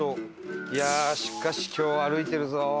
いやあしかし今日歩いてるぞ。